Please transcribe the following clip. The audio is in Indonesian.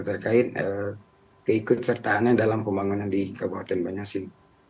terkait keikut sertaannya dalam pembangunan di kabupaten banyuasin